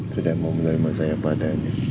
sudah memerima saya pada